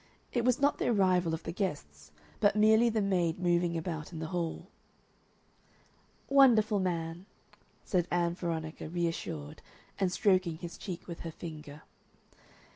It was not the arrival of the guests, but merely the maid moving about in the hall. "Wonderful man!" said Ann Veronica, reassured, and stroking his cheek with her finger.